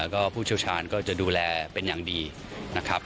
แล้วก็ผู้เชี่ยวชาญก็จะดูแลเป็นอย่างดีนะครับ